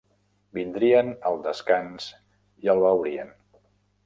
Vindrien al descans i el veurien.